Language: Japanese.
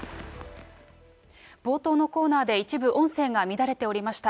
冒頭のコーナーで、一部音声が乱れておりました。